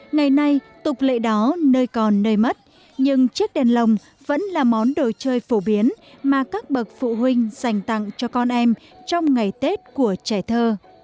ngày nay tục lệ đó nơi còn nơi mất nhưng chiếc đèn lồng vẫn là món đồ chơi phổ biến mà các bậc phụ huynh dành tặng cho con em trong ngày tết của trẻ thơ